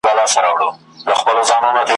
له لمني یې د وینو زڼي پاڅي `